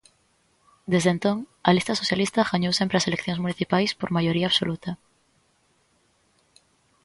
Desde entón, a lista socialista gañou sempre as eleccións municipais por maioría absoluta.